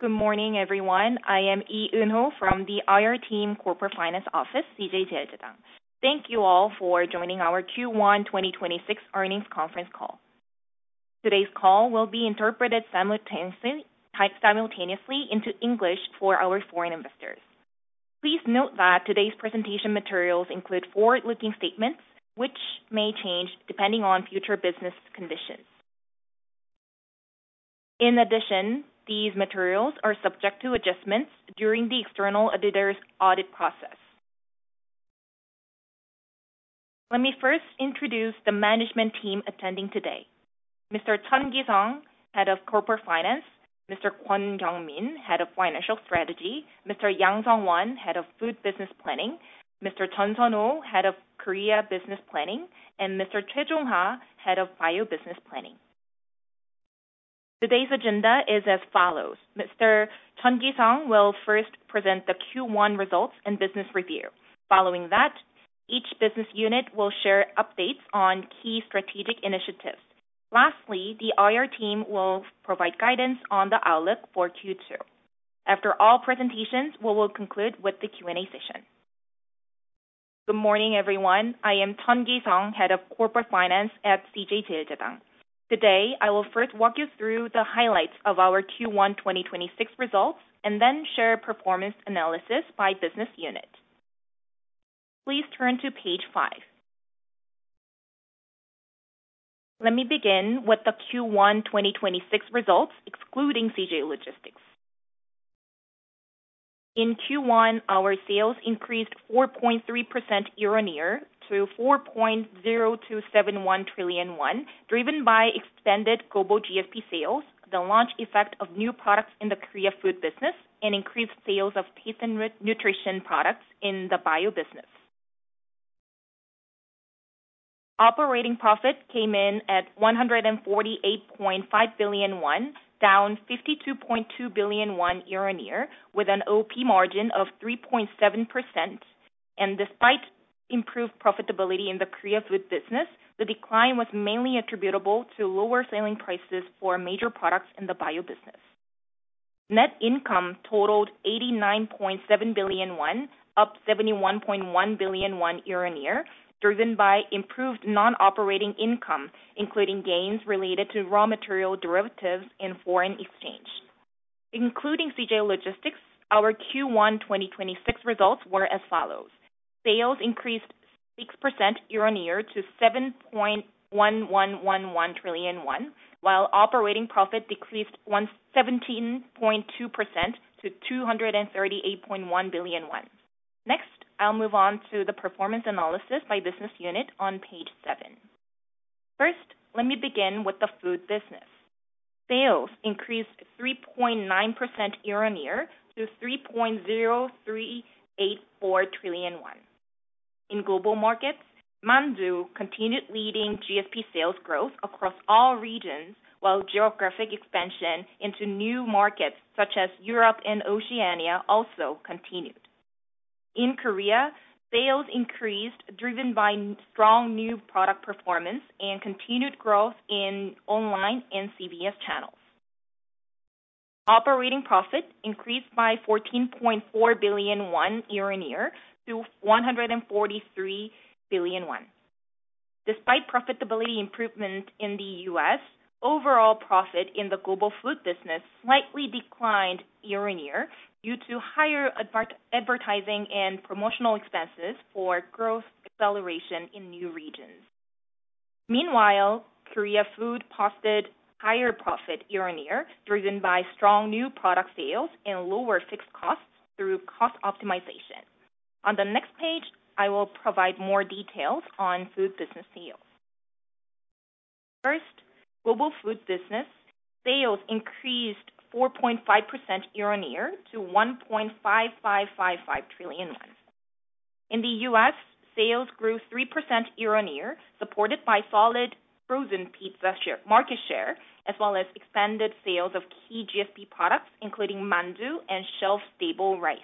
Good morning, everyone. I am Lee Eun-Ho from the IR Team, Corporate Finance Office, CJ CheilJedang. Thank you all for joining our Q1 2026 earnings conference call. Today's call will be interpreted simultaneously into English for our foreign investors. Please note that today's presentation materials include forward-looking statements which may change depending on future business conditions. These materials are subject to adjustments during the external auditor's audit process. Let me first introduce the management team attending today. Mr. Jeon Gi-Sung, Head of Corporate Finance. Mr. Kwan Gyeong-Min, Head of Finance. Mr. Chung Keun-Hwang, Head of Food Business Planning. Mr. Jeon Sun-Ho, Head of Food Korea Business Planning, and Mr. Choi Jun-ho, Head of BIO Business Planning. Today's agenda is as follows. Mr. Jeon Gi-Sung will first present the Q1 results and business review. Following that, each business unit will share updates on key strategic initiatives. The IR Team will provide guidance on the outlook for Q2. After all presentations, we will conclude with the Q&A session. Good morning, everyone. I am Jeon Gi-Sung, Head of Corporate Finance at CJ CheilJedang. Today, I will first walk you through the highlights of our Q1 2026 results and then share performance analysis by business unit. Please turn to page five. Let me begin with the Q1 2026 results, excluding CJ Logistics. In Q1, our sales increased 4.3% year-on-year to 4.0271 trillion won, driven by extended global GSP sales, the launch effect of new products in the Food Korea Business, and increased sales of health and nutrition products in the BIO business. Operating profit came in at 148.5 billion won, down 52.2 billion won year-on-year, with an OP margin of 3.7%. Despite improved profitability in the Korea Food business, the decline was mainly attributable to lower selling prices for major products in the BIO business. Net income totaled 89.7 billion won, up 71.1 billion won year-on-year, driven by improved non-operating income, including gains related to raw material derivatives and foreign exchange. Including CJ Logistics, our Q1 2026 results were as follows: Sales increased 6% year-on-year to 7.1111 trillion won, while operating profit decreased 17.2% to 238.1 billion won. Next, I'll move on to the performance analysis by business unit on page seven. First, let me begin with the Food business. Sales increased 3.9% year-on-year to 3.0384 trillion won. In global markets, mandu continued leading GSP sales growth across all regions, while geographic expansion into new markets such as Europe and Oceania also continued. In Korea, sales increased, driven by strong new product performance and continued growth in online and CVS channels. Operating profit increased by 14.4 billion won year-on-year to 143 billion won. Despite profitability improvement in the U.S., overall profit in the global food business slightly declined year-on-year due to higher advertising and promotional expenses for growth acceleration in new regions. Meanwhile, Korea Food posted higher profit year-on-year, driven by strong new product sales and lower fixed costs through cost optimization. On the next page, I will provide more details on food business sales. Global food business sales increased 4.5% year-over-year to 1.5555 trillion. In the U.S., sales grew 3% year-over-year, supported by solid frozen pizza share, market share, as well as expanded sales of key GSP products, including mandu and shelf-stable rice.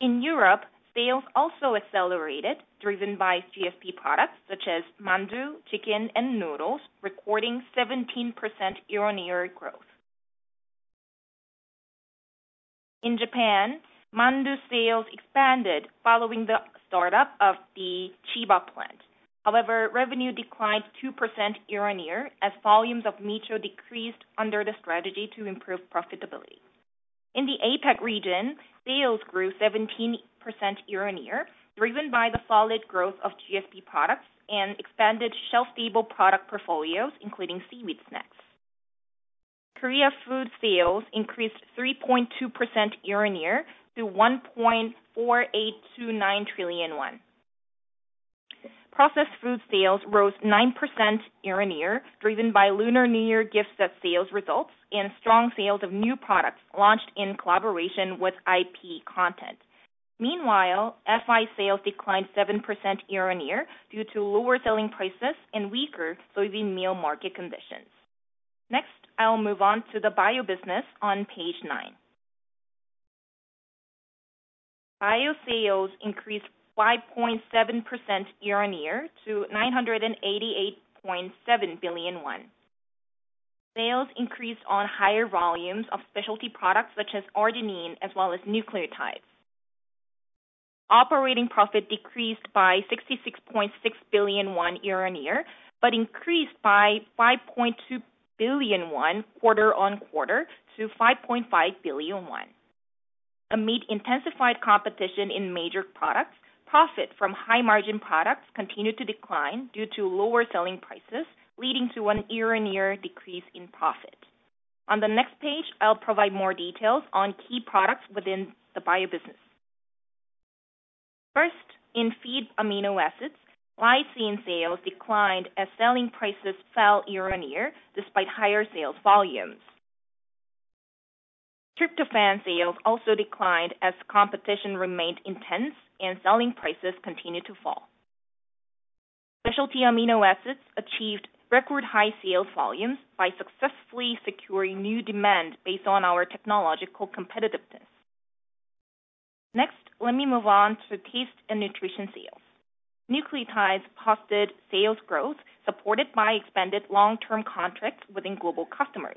In Europe, sales also accelerated, driven by GSP products such as mandu, chicken, and noodles, recording 17% year-over-year growth. In Japan, mandu sales expanded following the startup of the Chiba plant. Revenue declined 2% year-over-year as volumes of Micho decreased under the strategy to improve profitability. In the APAC region, sales grew 17% year-over-year, driven by the solid growth of GSP products and expanded shelf-stable product portfolios, including seaweed snacks. Korea food sales increased 3.2% year-over-year to 1.4829 trillion won. Processed food sales rose 9% year-on-year, driven by Lunar New Year gifts set sales results and strong sales of new products launched in collaboration with IP content. Meanwhile, FI sales declined 7% year-on-year due to lower selling prices and weaker soybean meal market conditions. Next, I'll move on to the BIO business on page nine. BIO sales increased 5.7% year-on-year to 988.7 billion won. Sales increased on higher volumes of specialty products such as arginine as well as nucleotides. Operating profit decreased by 66.6 billion won year-on-year, but increased by 5.2 billion won quarter-on-quarter to 5.5 billion won. Amid intensified competition in major products, profit from high-margin products continued to decline due to lower selling prices, leading to a year-on-year decrease in profit. On the next page, I'll provide more details on key products within the BIO business. First, in feed amino acids, lysine sales declined as selling prices fell year-on-year despite higher sales volumes. tryptophan sales also declined as competition remained intense and selling prices continued to fall. Specialty amino acids achieved record high sales volumes by successfully securing new demand based on our technological competitiveness. Next, let me move on to taste and nutrition sales. Nucleotides posted sales growth supported by expanded long-term contracts within global customers.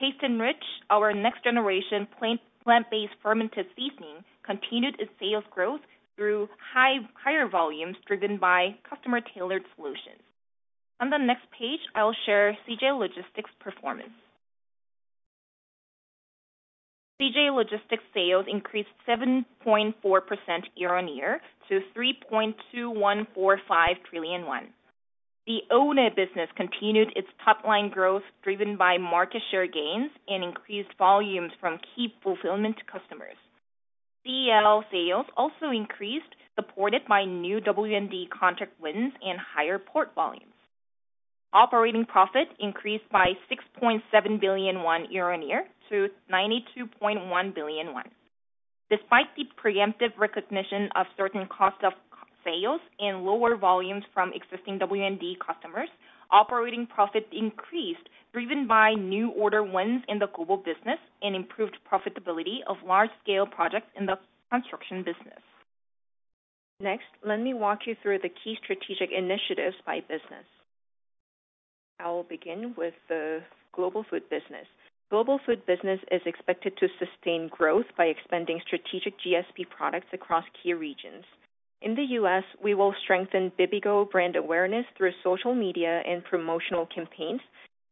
TasteNrich, our next-generation plant-based fermentive seasoning, continued its sales growth through higher volumes driven by customer-tailored solutions. On the next page, I will share CJ Logistics' performance. CJ Logistics sales increased 7.4% year-on-year to 3.2145 trillion won. The own business continued its top-line growth, driven by market share gains and increased volumes from key fulfillment customers. CL sales also increased, supported by new W&D contract wins and higher port volumes. Operating profit increased by 6.7 billion won year-on-year to 92.1 billion won. Despite the preemptive recognition of certain cost of sales and lower volumes from existing W&D customers, operating profit increased, driven by new order wins in the global business and improved profitability of large-scale projects in the construction business. Let me walk you through the key strategic initiatives by business. I will begin with the global food business. Global food business is expected to sustain growth by expanding strategic GSP products across key regions. In the U.S., we will strengthen Bibigo brand awareness through social media and promotional campaigns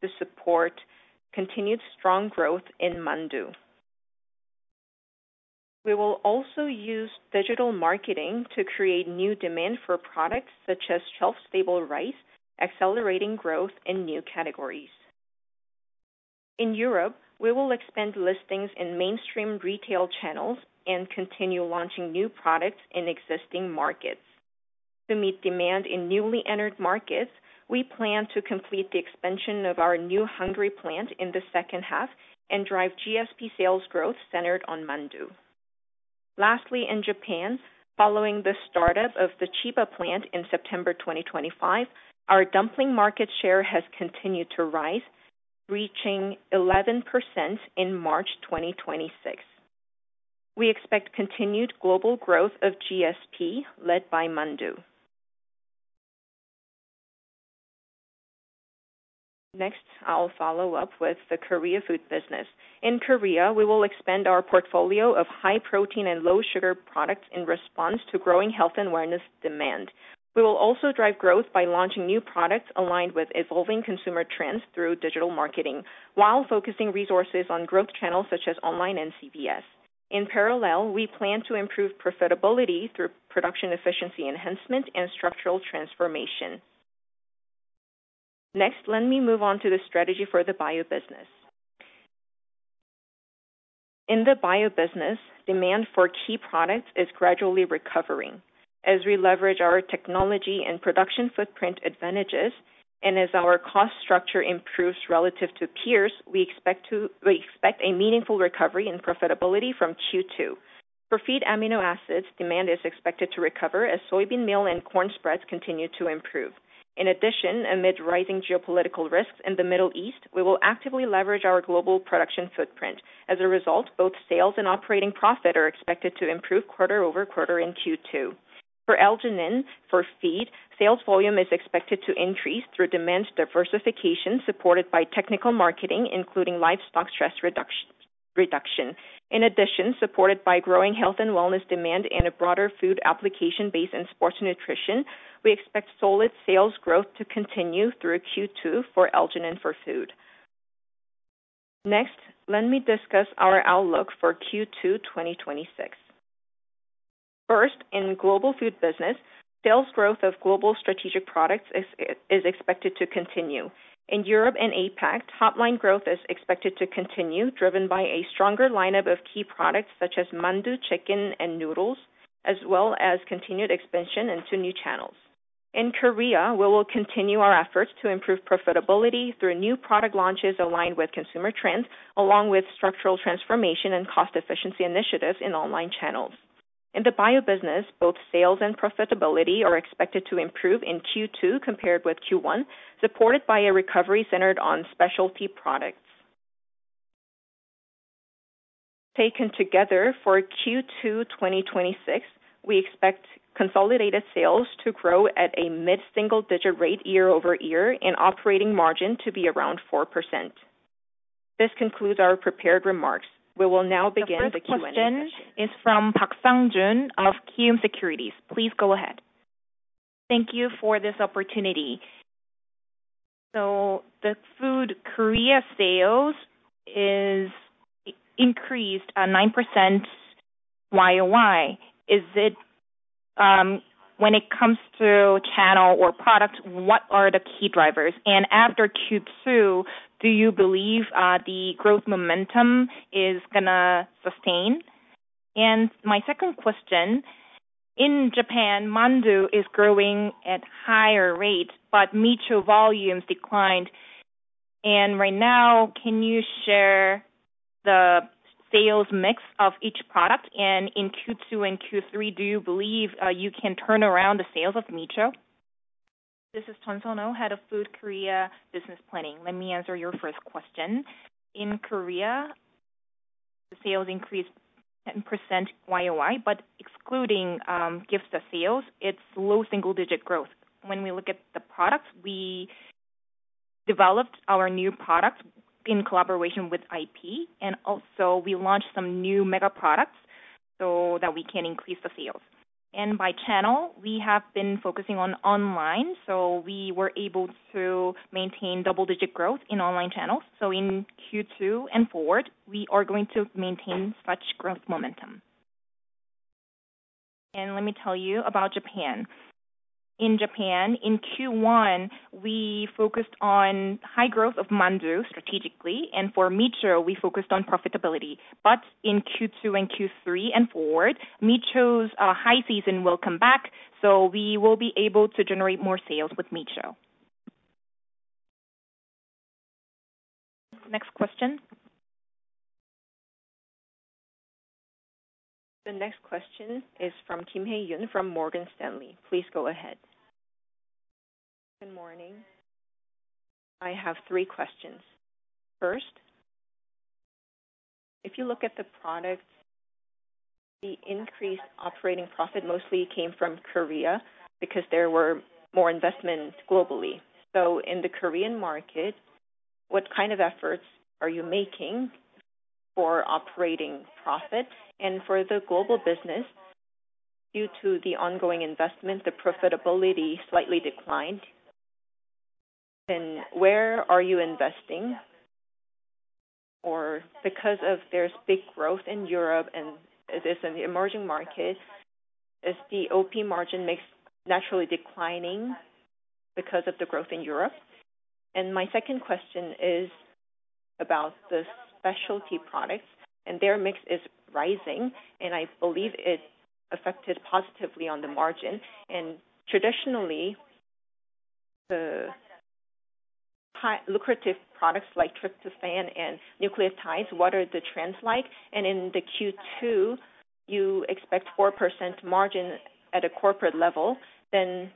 to support continued strong growth in mandu. We will also use digital marketing to create new demand for products such as shelf-stable rice, accelerating growth in new categories. In Europe, we will expand listings in mainstream retail channels and continue launching new products in existing markets. To meet demand in newly entered markets, we plan to complete the expansion of our New Hungary plant in the second half and drive GSP sales growth centered on mandu. Lastly, in Japan, following the startup of the Chiba plant in September 2025, our dumpling market share has continued to rise, reaching 11% in March 2026. We expect continued global growth of GSP led by mandu. Next, I'll follow up with the Korea food business. In Korea, we will expand our portfolio of high protein and low sugar products in response to growing health awareness demand. We will also drive growth by launching new products aligned with evolving consumer trends through digital marketing, while focusing resources on growth channels such as online and CVS. In parallel, we plan to improve profitability through production efficiency enhancement and structural transformation. Next, let me move on to the strategy for the BIO business. In the BIO business, demand for key products is gradually recovering. As we leverage our technology and production footprint advantages, and as our cost structure improves relative to peers, We expect a meaningful recovery in profitability from Q2. For feed amino acids, demand is expected to recover as soybean meal and corn spreads continue to improve. In addition, amid rising geopolitical risks in the Middle East, we will actively leverage our global production footprint. As a result, both sales and operating profit are expected to improve quarter-over-quarter in Q2. For L-arginine for feed, sales volume is expected to increase through demand diversification supported by technical marketing, including livestock stress reduction. Supported by growing health and wellness demand and a broader food application base in sports nutrition, we expect solid sales growth to continue through Q2 for L-arginine for food. Let me discuss our outlook for Q2 2026. In global food business, sales growth of global strategic products is expected to continue. In Europe and APAC, top-line growth is expected to continue, driven by a stronger lineup of key products such as mandu, chicken, and noodles, as well as continued expansion into new channels. In Korea, we will continue our efforts to improve profitability through new product launches aligned with consumer trends, along with structural transformation and cost efficiency initiatives in online channels. In the bio business, both sales and profitability are expected to improve in Q2 compared with Q1, supported by a recovery centered on specialty products. Taken together for Q2 2026, we expect consolidated sales to grow at a mid-single digit rate year-over-year and operating margin to be around 4%. This concludes our prepared remarks. We will now begin the Q&A session. The first question is from Park Sangjun of Kiwoom Securities. Please go ahead. Thank you for this opportunity. The Food Korea sales is increased 9% Y-o-Y. When it comes to channel or product, what are the key drivers? After Q2, do you believe the growth momentum is gonna sustain? My second question, in Japan, mandu is growing at higher rates, but Micho volumes declined. Right now, can you share the sales mix of each product? In Q2 and Q3, do you believe you can turn around the sales of Micho? This is Jeon Sun-Ho, Head of Food Korea Business Planning. Let me answer your first question. In Korea, the sales increased 10% y-o-y, but excluding gift set sales, it's low single-digit growth. When we look at the products, we developed our new product in collaboration with IP, and also we launched some new mega products so that we can increase the sales. By channel, we have been focusing on online, so we were able to maintain double-digit growth in online channels. In Q2 and forward, we are going to maintain such growth momentum. Let me tell you about Japan. In Japan, in Q1, we focused on high growth of mandu strategically, and for Micho, we focused on profitability. In Q2 and Q3 and forward, Micho's high season will come back, we will be able to generate more sales with Micho. Next question. The next question is from Kim Hye-yoon from Morgan Stanley. Please go ahead. Good morning. I have three questions. First, if you look at the products, the increased operating profit mostly came from Korea because there were more investments globally. In the Korean market, what kind of efforts are you making for operating profit? For the global business, due to the ongoing investment, the profitability slightly declined. Where are you investing? Because of there is big growth in Europe and it is in the emerging market, is the OP margin makes naturally declining because of the growth in Europe? My second question is about the specialty products, their mix is rising, and I believe it affected positively on the margin. Traditionally, the high lucrative products like tryptophan and nucleotides, what are the trends like? In the Q2, you expect 4% margin at a corporate level, then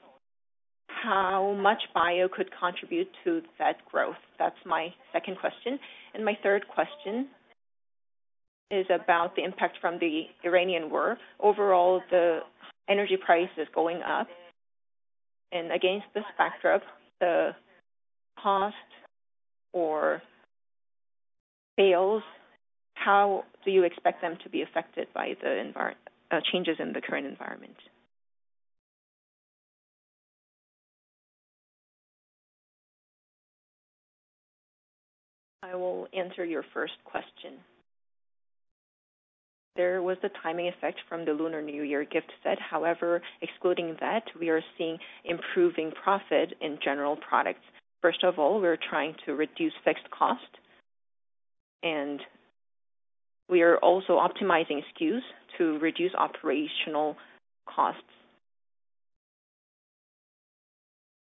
how much BIO could contribute to that growth? That's my second question. My third question is about the impact from the Iranian war. Overall, the energy price is going up. Against this backdrop, the cost or sales, how do you expect them to be affected by the changes in the current environment? I will answer your first question. There was the timing effect from the Lunar New Year gift set. However, excluding that, we are seeing improving profit in general products. First of all, we're trying to reduce fixed cost, and we are also optimizing SKUs to reduce operational costs.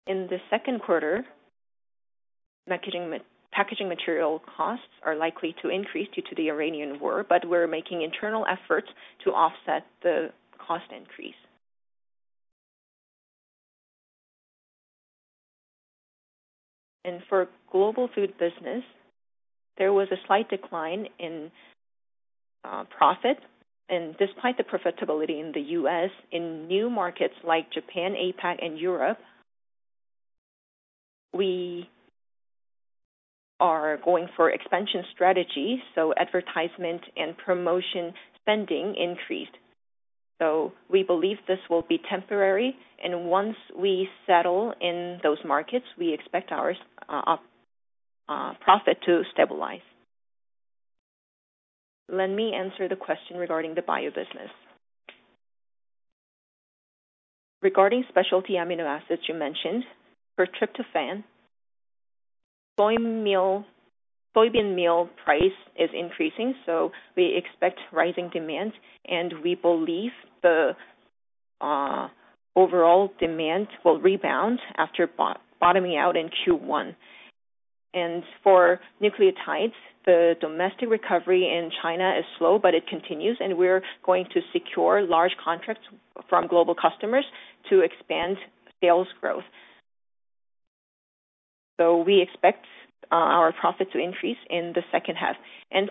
In the second quarter, packaging material costs are likely to increase due to the Iranian war, but we're making internal efforts to offset the cost increase. For global food business, there was a slight decline in profit. Despite the profitability in the U.S., in new markets like Japan, APAC, and Europe, we are going for expansion strategy, so advertisement and promotion spending increased. We believe this will be temporary, and once we settle in those markets, we expect our profit to stabilize. Let me answer the question regarding the bio business. Regarding specialty amino acids you mentioned, for tryptophan, soybean meal price is increasing, so we expect rising demand, and we believe the overall demand will rebound after bottoming out in Q1. For nucleotides, the domestic recovery in China is slow, but it continues, and we're going to secure large contracts from global customers to expand sales growth. We expect our profit to increase in the second half.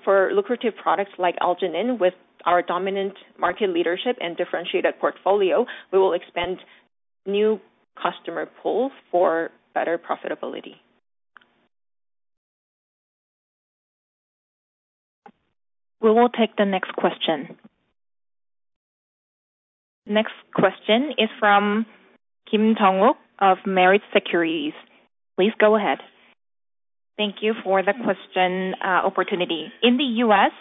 For lucrative products like arginine, with our dominant market leadership and differentiated portfolio, we will expand new customer pool for better profitability. We will take the next question. Next question is from Kim Jeong-wook of Meritz Securities. Please go ahead. Thank you for the question, opportunity. In the U.S.,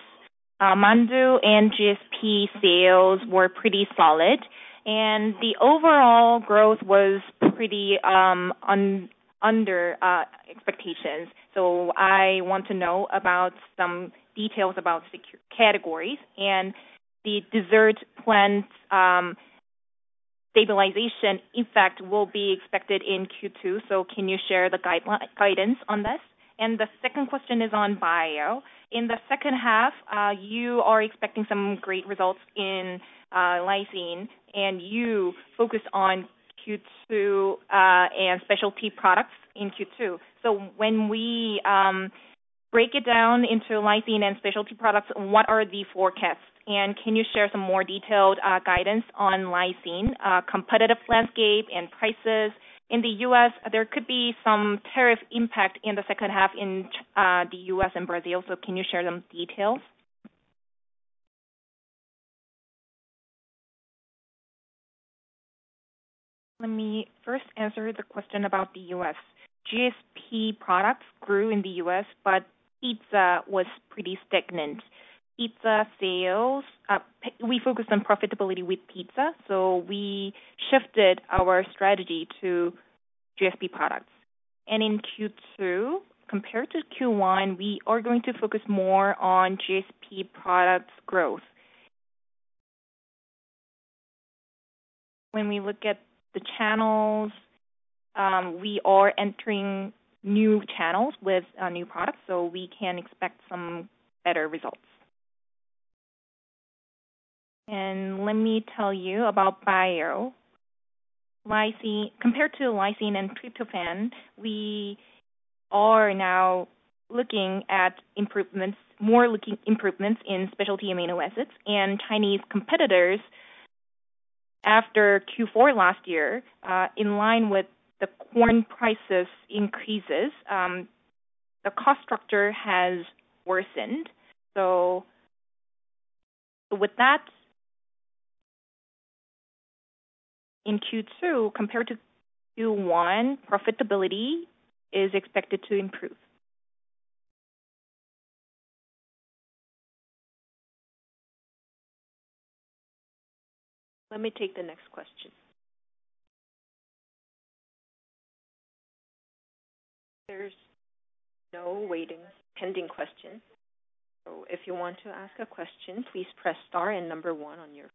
mandu and GSP sales were pretty solid, and the overall growth was pretty under expectations. I want to know about some details about SKUs categories and the dessert plant, stabilization impact will be expected in Q2, can you share the guidance on this? The second question is on bio. In the second half, you are expecting some great results in lysine and you focus on Q2 and specialty products in Q2. When we break it down into lysine and specialty products, what are the forecasts? Can you share some more detailed guidance on lysine competitive landscape and prices? In the U.S., there could be some tariff impact in the second half in the U.S. and Brazil, can you share them details? Let me first answer the question about the U.S. GSP products grew in the U.S., but pizza was pretty stagnant. Pizza sales, we focus on profitability with pizza, we shifted our strategy to GSP products. In Q2, compared to Q1, we are going to focus more on GSP products growth. When we look at the channels, we are entering new channels with new products, we can expect some better results. Let me tell you about bio. Lysine, compared to Lysine and Tryptophan, we are now looking at improvements, more looking improvements in specialty amino acids. Chinese competitors, after Q4 last year, in line with the corn prices increases, the cost structure has worsened. With that, in Q2, compared to Q1, profitability is expected to improve. Let me take the next question. There's no waiting, pending question. If you want to ask a question, please press star and one on your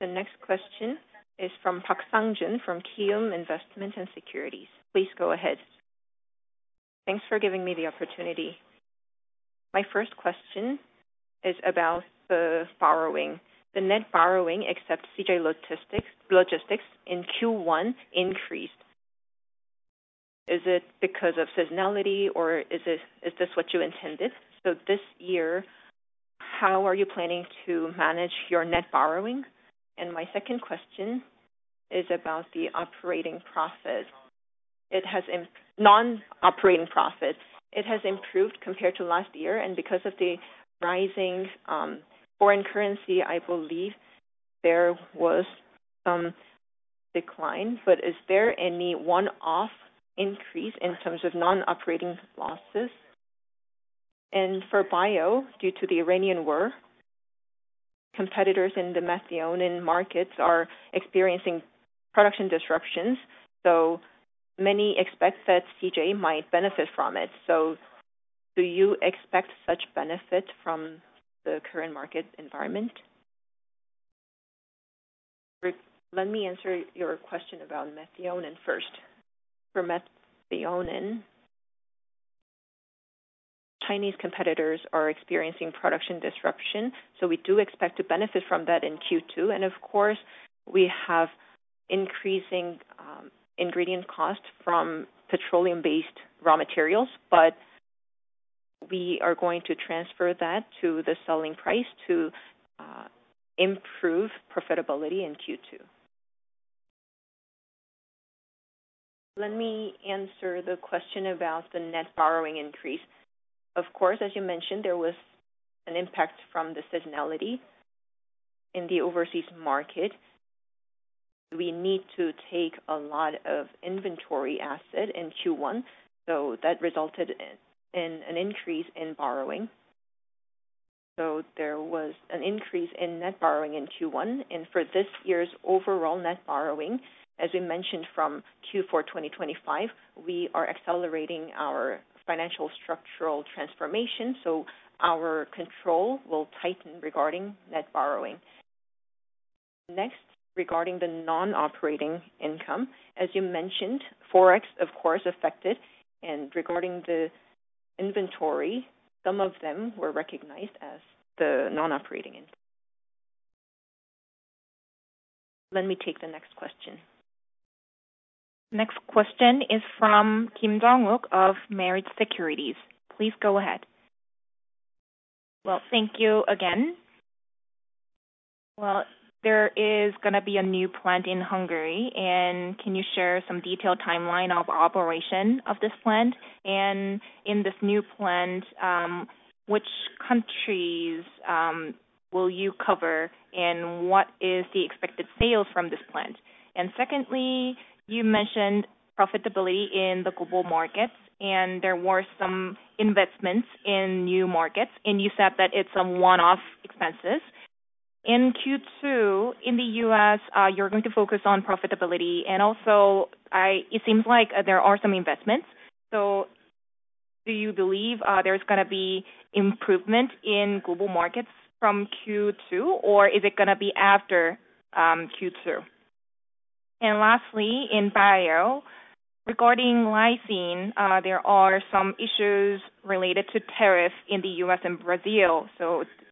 The next question is from Park Sangjun from Kiwoom Securities. Please go ahead. Thanks for giving me the opportunity. My first question is about the borrowing. The net borrowing, except CJ Logistics, in Q1 increased. Is it because of seasonality or is this what you intended? This year, how are you planning to manage your net borrowing? My second question is about the operating profit. It has Non-operating profit. It has improved compared to last year, and because of the rising foreign currency, I believe there was some decline. Is there any one-off increase in terms of non-operating losses? For bio, due to the Iranian war, competitors in the methionine markets are experiencing production disruptions, many expect that CJ might benefit from it. Do you expect such benefit from the current market environment? Let me answer your question about methionine first. For methionine, Chinese competitors are experiencing production disruption, we do expect to benefit from that in Q2. Of course, we have increasing ingredient costs from petroleum-based raw materials, we are going to transfer that to the selling price to improve profitability in Q2. Let me answer the question about the net borrowing increase. Of course, as you mentioned, there was an impact from the seasonality in the overseas market. We need to take a lot of inventory asset in Q1, that resulted in an increase in borrowing. There was an increase in net borrowing in Q1. For this year's overall net borrowing, as we mentioned from Q4 2025, we are accelerating our financial structural transformation, so our control will tighten regarding net borrowing. Next, regarding the non-operating income, as you mentioned, Forex of course affected. Inventory, some of them were recognized as the non-operating. Let me take the next question. Next question is from Kim Jeong-wook of Meritz Securities. Please go ahead. Thank you again. There is going to be a new plant in Hungary. Can you share some detailed timeline of operation of this plant? In this new plant, which countries will you cover? What is the expected sales from this plant? Secondly, you mentioned profitability in the global markets. There were some investments in new markets. You said that it is some one-off expenses. In Q2, in the U.S., you are going to focus on profitability. It seems like there are some investments. Do you believe there is going to be improvement in global markets from Q2, or is it going to be after Q2? Lastly, in bio, regarding lysine, there are some issues related to tariff in the U.S. and Brazil.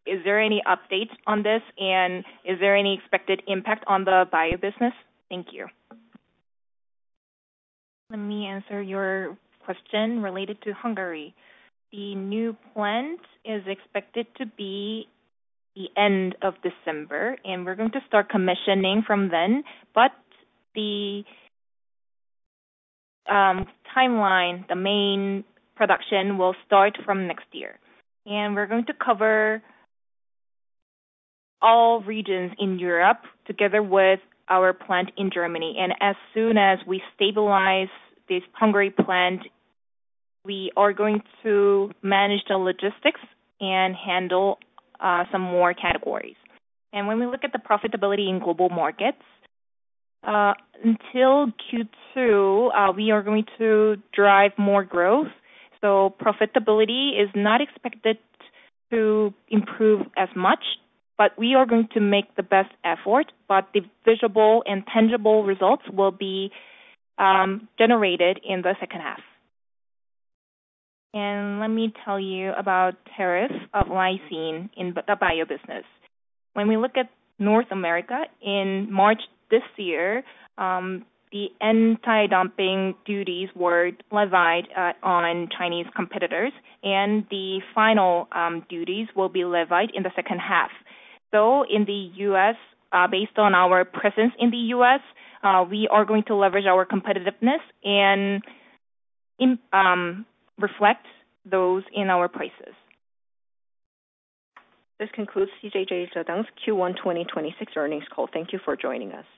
Is there any updates on this, and is there any expected impact on the bio business? Thank you. Let me answer your question related to Hungary. The new plant is expected to be the end of December, and we're going to start commissioning from then. The timeline, the main production will start from next year. We're going to cover all regions in Europe together with our plant in Germany. As soon as we stabilize this Hungary plant, we are going to manage the logistics and handle some more categories. When we look at the profitability in global markets, until Q2, we are going to drive more growth. Profitability is not expected to improve as much, but we are going to make the best effort. The visible and tangible results will be generated in the second half. Let me tell you about tariffs of lysine in the bio business. When we look at North America, in March this year, the anti-dumping duties were levied on Chinese competitors, and the final duties will be levied in the second half. In the U.S., based on our presence in the U.S., we are going to leverage our competitiveness and reflect those in our prices. This concludes CJ CheilJedang's Q1 2026 earnings call. Thank you for joining us.